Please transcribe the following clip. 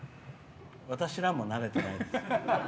私らも慣れてない。